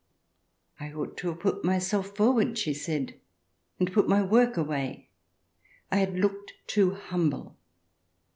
I ought to have put myself forward, she said, and put my work away. I had looked too humble.